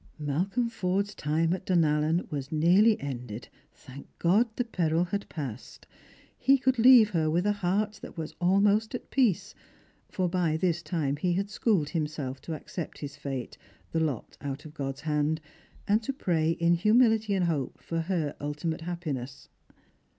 Malcolm Forde's time at Dunallen was nearly ended; thank God the peril had passed ! He could leave her with a heart that was almost at peace ; for by this time he had schooled himself to accept his fate — the lot out of God's hand — and to pray in humiUty and hope for her ultimate happiness.